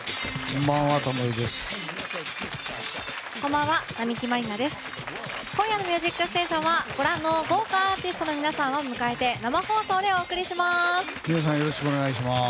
今夜の「ミュージックステーション」はご覧の豪華アーティストの皆さんを迎えてよろしくお願いします。